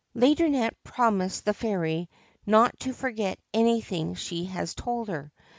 Laideronnette promised the fairy not to forget anything she had told her.